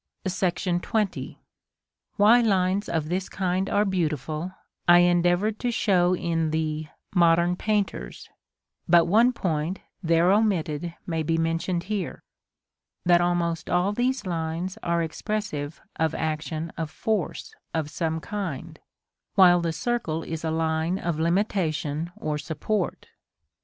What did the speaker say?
§ XX. Why lines of this kind are beautiful, I endeavored to show in the "Modern Painters;" but one point, there omitted, may be mentioned here, that almost all these lines are expressive of action of force of some kind, while the circle is a line of limitation or support.